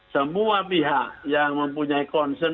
semua pihak yang mempunyai concern